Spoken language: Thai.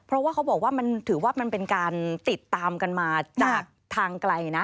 เพราะว่าเขาบอกว่ามันถือว่ามันเป็นการติดตามกันมาจากทางไกลนะ